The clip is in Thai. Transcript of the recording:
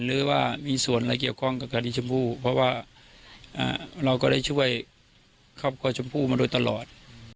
หรือว่ามีส่วนอะไรเกี่ยวข้องกับคดีชมพู่เพราะว่าเราก็ได้ช่วยครอบครัวชมพู่มาโดยตลอด